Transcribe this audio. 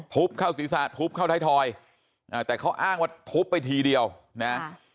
ทุบเข้าศรีศาสตร์ทุบเข้าไทยทอยแต่เขาอ้างว่าทุบไปทีเดียวนะ